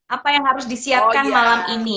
apa yang harus disiapkan malam ini